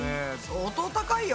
相当高いよ。